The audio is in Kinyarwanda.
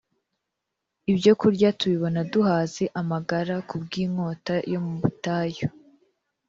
Ibyokurya tubibona duhaze amagara, Ku bw’inkota yo mu butayu.